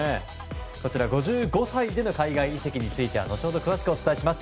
こちら、５５歳での海外移籍については後ほど、詳しくお伝えします。